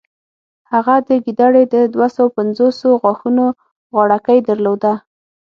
هغه د ګیدړې د دوهسوو پنځوسو غاښونو غاړکۍ درلوده.